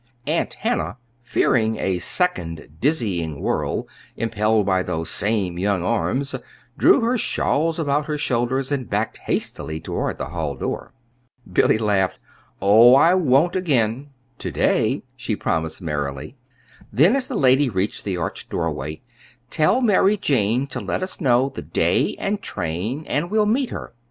Aunt Hannah, fearing a second dizzying whirl impelled by those same young arms, drew her shawls about her shoulders and backed hastily toward the hall door. Billy laughed. "Oh, I won't again to day," she promised merrily. Then, as the lady reached the arched doorway: "Tell Mary Jane to let us know the day and train and we'll meet her.